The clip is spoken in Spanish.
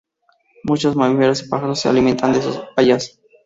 Muchos mamíferos y pájaros se alimentan de sus bayas.